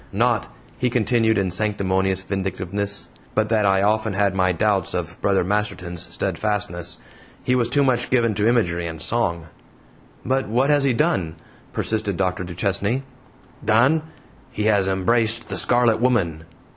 Not," he continued in sanctimonious vindictiveness, "but that I often had my doubts of Brother Masterton's steadfastness. He was too much given to imagery and song." "But what has he done?" persisted Dr. Duchesne. "Done! He has embraced the Scarlet Woman!"